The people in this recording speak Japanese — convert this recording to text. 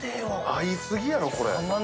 合いすぎやろ、これ。